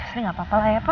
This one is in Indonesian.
ini nggak apa apa lah ya pa